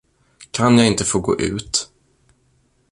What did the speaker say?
Kan jag inte få gå ut?